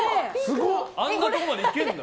あんなところまで行けるんだ。